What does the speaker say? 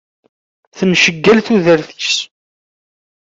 Tenceggal tudert-is.